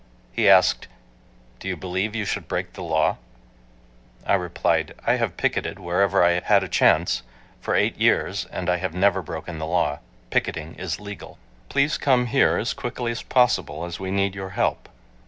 He asked, "Do you believe you should break the law?" I replied, "I have picketed whenever I had a chance for eight years and have never broken the law. Picketing is legal." Please come here as quickly as possible, as we need your help.